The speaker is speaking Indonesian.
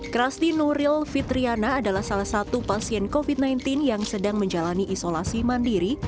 krasti nuril fitriana adalah salah satu pasien covid sembilan belas yang sedang menjalani isolasi mandiri